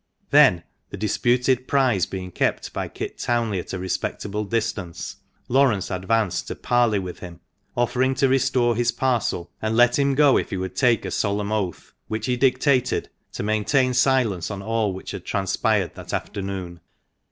Then, the disputed prize being kept by Kit Townley at a respectable distance, Laurence advanced to parley with him, offer ing to restore his parcel and let him go if he would take a solemn oath, which he dictated, to maintain silence on all which had transpired that afternoon.